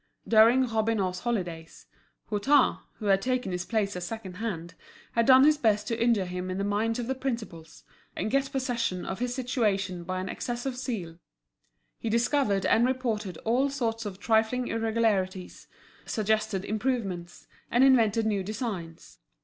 During Robineau's holidays, Hutin, who had taken his place as second hand, had done his best to injure him in the minds of the principals, and get possession of his situation by an excess of zeal; he discovered and reported all sorts of trifling irregularities, suggested improvements, and invented new designs.